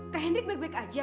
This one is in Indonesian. kak hendrik baik baik aja